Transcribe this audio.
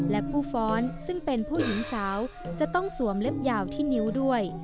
และผู้ฟ้อนซึ่งเป็นผู้หญิงสาวจะต้องสวมเล็บยาวที่นิ้วด้วย